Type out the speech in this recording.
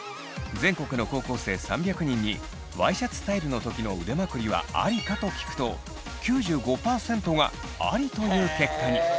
全国の高校生３００人に「ワイシャツスタイルの時の腕まくりはありか？」と聞くと９５％がありという結果に。